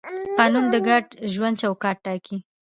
قانون د ګډ ژوند چوکاټ ټاکي.